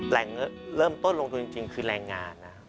แหล่งเงินเริ่มต้นลงทุนจริงคือแหล่งงาน